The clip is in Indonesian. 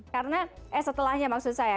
karena setelahnya maksud saya